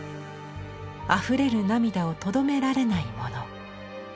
あふれる涙をとどめられない者。